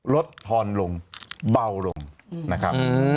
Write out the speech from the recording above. ลดพรรณลงเป็นรุมเบาลงนะครับ